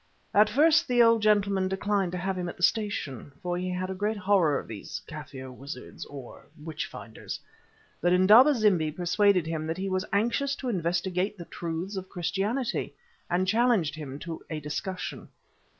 At first the old gentleman declined to have him at the station, for he had a great horror of these Kaffir wizards or witch finders. But Indaba zimbi persuaded him that he was anxious to investigate the truths of Christianity, and challenged him to a discussion.